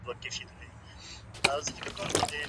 کږدۍ بې وزرو نه جوړیږي.